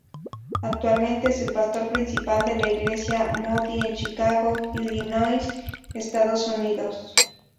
Actualmente es el pastor principal de la Iglesia Moody en Chicago, Illinois, Estados Unidos.